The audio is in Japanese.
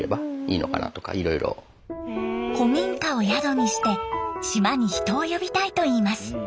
古民家を宿にして島に人を呼びたいといいます。